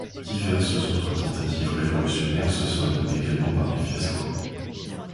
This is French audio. Diverses autres tentatives révolutionnaires se soldent également par des fiascos.